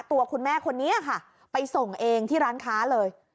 ตัวคุณแม่คนนี้ค่ะไปส่งเองที่ร้านค้าเลย